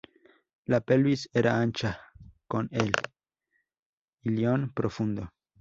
La pelvis era ancha con el ilion profundo.